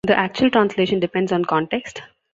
The actual translation depends on context.